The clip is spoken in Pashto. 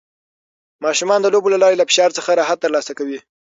ماشومان د لوبو له لارې له فشار څخه راحت ترلاسه کوي.